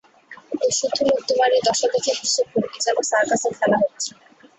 দেশসুদ্ধ লোক তোমার এই দশা দেখে হেসে খুন, এ যেন সার্কাসের খেলা হচ্ছে।